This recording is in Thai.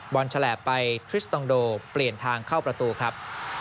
ฉลาบไปทริสตองโดเปลี่ยนทางเข้าประตูครับ